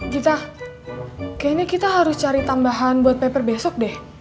gita kayaknya kita harus cari tambahan buat paper besok deh